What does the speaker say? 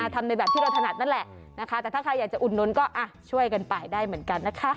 ทำในแบบที่เราถนัดนั่นแหละนะคะแต่ถ้าใครอยากจะอุดนุนก็ช่วยกันไปได้เหมือนกันนะคะ